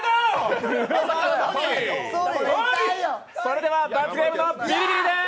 それでは罰ゲームのビリビリです。